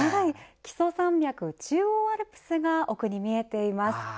木曽山脈、中央アルプスが奥に見えています。